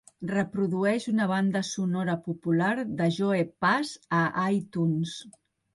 Reprodueix una banda sonora popular de Joe Pass a iTunes.